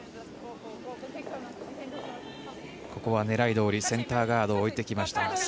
狙いどおり、センターガードを置いてきました。